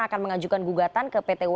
akan mengajukan gugatan ke pt u